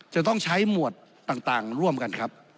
จะต้องใช้หมวดต่างร่วมกันครับ